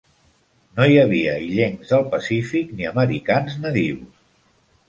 No hi havia illencs del Pacífic ni americans nadius.